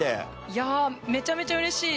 いやめちゃめちゃ嬉しい。